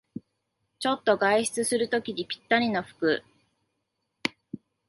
ちょっと外出するときにぴったりの服